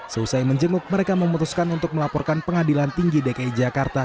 seusai menjenguk mereka memutuskan untuk melaporkan pengadilan tinggi dki jakarta